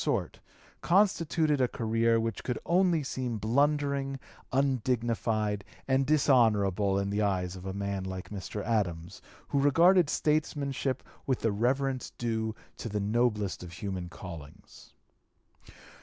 238) sort, constituted a career which could only seem blundering, undignified, and dishonorable in the eyes of a man like Mr. Adams, who regarded statesmanship with the reverence due to the noblest of human callings.